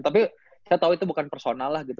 tapi saya tahu itu bukan personal lah gitu